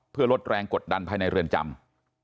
เพื่อลดแรงกดดันภายในเรือนจำ